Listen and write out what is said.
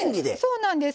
そうなんです。